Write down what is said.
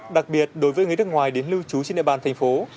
đặc biệt đối với người nước ngoài đến lưu trú trên địa bàn thành phố